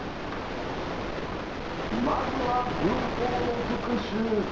まずは文法の復習。